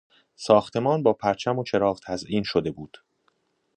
ساختمان با پرچم و چراغ تزیین شده بود.